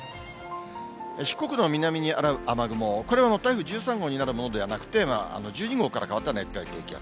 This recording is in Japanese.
四国の南にある雨雲、これは台風１３号になるものではなくて、１２号から変わった熱帯低気圧。